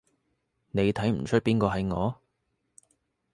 你睇唔岀邊個係我？